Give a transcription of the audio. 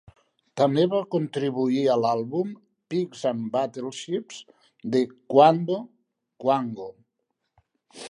També va contribuir a l'àlbum "Pigs and Battleships" de Quando Quango.